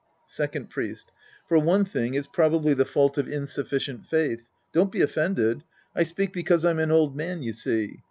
Second Priest. For one thing, it's probably the fault of insufficient faith. Don't be offended. I speak because I'm an old man, you see.